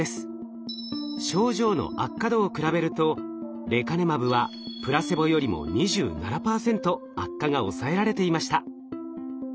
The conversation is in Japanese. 症状の悪化度を比べるとレカネマブはプラセボよりも２７％悪化が抑えられていました。